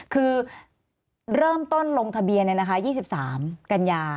คือเริ่มต้นลงทะเบียนเนี่ยนะคะ๒๓กัญญา